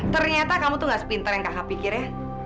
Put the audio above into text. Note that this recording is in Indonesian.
ternyata kamu tuh gak sepinter yang kakak pikir ya